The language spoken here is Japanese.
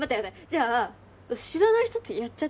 じゃあ知らない人とやっちゃったってこと？